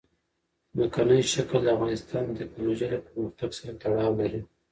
ځمکنی شکل د افغانستان د تکنالوژۍ له پرمختګ سره تړاو لري.